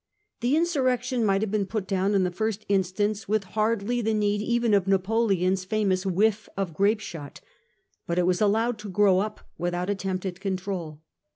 Tlie insur rection might have been put down in the first in stance with hardly the need even of Napoleon's famous 1 whiff of grapeshot.' But it was allowed to grow up without attempt at control.